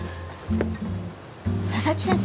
佐々木先生？